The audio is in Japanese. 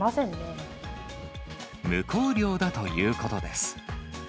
無香料だということです。